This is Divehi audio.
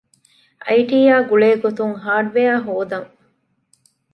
އައިޓީއާ ގުޅޭގޮތުން ހާރޑްވެއަރ ހޯދަން